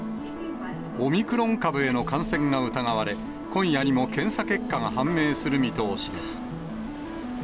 オミクロン株への感染が疑われ、今夜にも検査結果が判明する見通しです。